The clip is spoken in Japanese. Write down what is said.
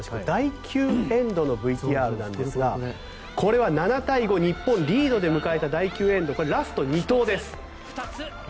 第９エンドのＶＴＲなんですがこれは７対５日本リードで迎えた第９エンドのラスト２投です。